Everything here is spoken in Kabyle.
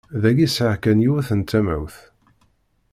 Dagi sɛiɣ kan yiwet n tamawt.